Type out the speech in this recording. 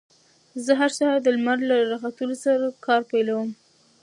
زه هر سهار د لمر له راختو سره کار پيلوم.